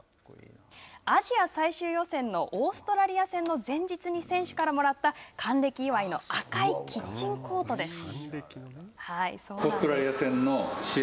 アジア最終予選のオーストラリア戦の前日に選手からもらった還暦祝いの赤いキッチンコートです。